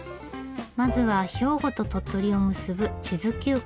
まずは兵庫と鳥取を結ぶ智頭急行。